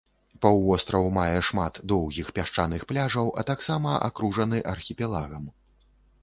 Паўвостраў мае шмат доўгіх пясчаных пляжаў, а таксама акружаны архіпелагам.